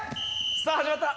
「さあ始まった！」